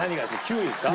９位ですか？